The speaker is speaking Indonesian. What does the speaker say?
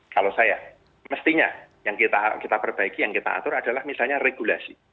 kalau saya mestinya yang kita perbaiki yang kita atur adalah misalnya regulasi